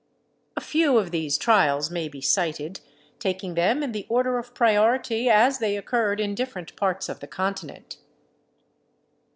A few of these trials may be cited, taking them in the order of priority, as they occurred in different parts of the Continent.